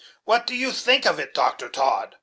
What do you think of it, Dr. Todd?"